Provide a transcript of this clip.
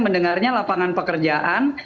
mendengarnya lapangan pekerjaan